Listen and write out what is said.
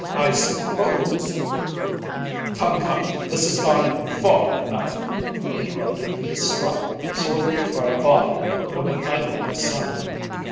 I supposed " "Come, come, this has gone far enough," interrupted the distraught, sorely tried father of an idolized son.